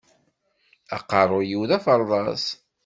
Aqeṛṛu-w d aferḍas!